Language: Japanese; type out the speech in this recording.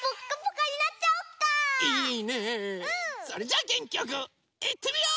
それじゃあげんきよくいってみよう！